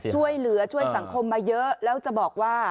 ช่วยเหลือช่วยสังคมมาเยอะแล้วจะบอกว่า